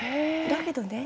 だけどね